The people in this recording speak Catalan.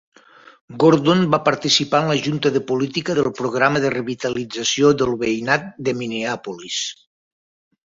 Gordon va participar en la junta de política del Programa de Revitalització del Veïnat de Minneapolis.